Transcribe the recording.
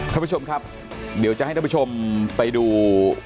ท่านผู้ชมครับเดี๋ยวจะให้ท่านผู้ชมไปดู